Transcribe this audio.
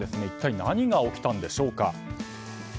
一体何が起きたんでしょうか。